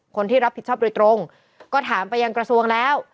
คนที่รับผิดชอบโดยตรงก็ถามไปยังกระทรวงแล้ว